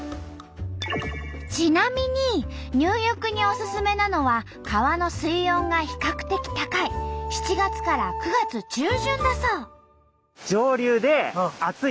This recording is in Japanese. ちなみに入浴におすすめなのは川の水温が比較的高い７月から９月中旬だそう。